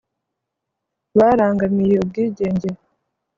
barangamiye ubwigenge